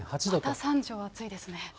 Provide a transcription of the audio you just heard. また三条は暑いですね。